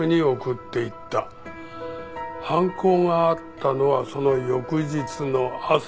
犯行があったのはその翌日の朝。